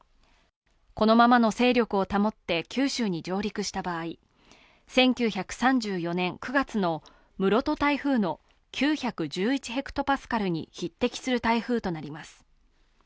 このままの勢力を保って九州に上陸した場合、１９３４年９月の室戸台風の９１１ｈＰａに匹敵する台風となります。